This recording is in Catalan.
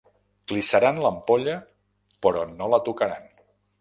Clissaran l'ampolla però no la tocaran.